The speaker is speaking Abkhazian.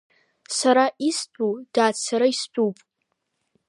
Сара истәу, дад, сара истәуп.